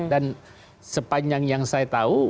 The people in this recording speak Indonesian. dan sepanjang yang saya tahu